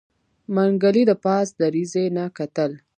منګلي د پاس دريڅې نه کتل.